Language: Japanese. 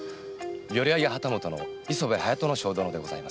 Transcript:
寄合旗本の磯部隼人正殿でございます。